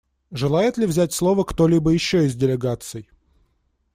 Желает ли взять слово кто-либо еще из делегаций?